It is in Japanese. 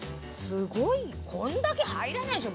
すごいこんだけ入らないでしょ。